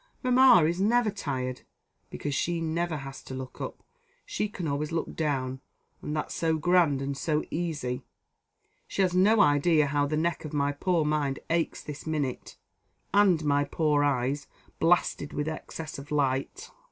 Mamma is never tired, because she never has to look up; she can always look down, and that's so grand and so easy. She has no idea how the neck of my poor mind aches this minute; and my poor eyes! blasted with excess of light.